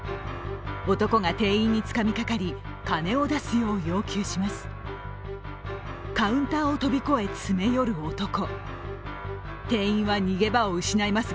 男が店員につかみかかり金を出すよう要求します。